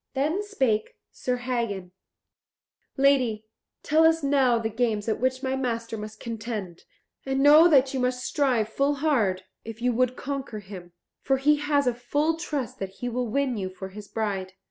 Then spake Sir Hagen, "Lady, tell us now the games at which my master must contend; and know that you must strive full hard, if you would conquer him, for he has a full trust that he will win you for his bride."